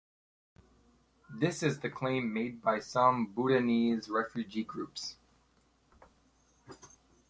This is the claim made by some Bhutanese refugee groups.